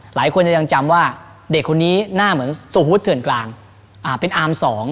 หลายคนจะยังจำว่าเด็กคนนี้หน้าเหมือนสมมุติเถื่อนกลางเป็นอาร์มสอง